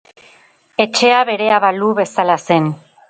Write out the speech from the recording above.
Etxea berea balu bezala zen.